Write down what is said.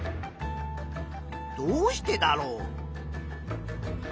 どうしてだろう？